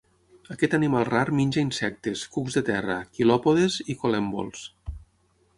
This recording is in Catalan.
Aquest animal rar menja insectes, cucs de terra, quilòpodes i col·lèmbols.